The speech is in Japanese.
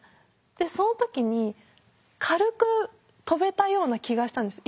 でその時に軽く跳べたような気がしたんです。